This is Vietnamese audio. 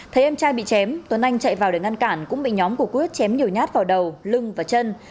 thấy em trai bị chém tuấn anh chạy vào để ngăn cản cũng bị nhóm của quyết chém nhiều nhát vào đầu lưng và chân